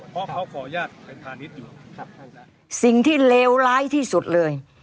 เพราะเขาขอญาติเป็นธานิดอยู่ครับสิ่งที่เลวร้ายที่สุดเลย